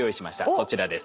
そちらです。